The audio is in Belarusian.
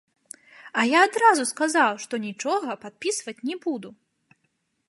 А я адразу сказаў, што нічога падпісваць не буду.